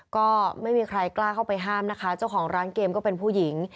ก็ไม่มีใครกล้าเข้าไปห้ามนะคะเจ้าของร้านเกมก็เป็นผู้หญิง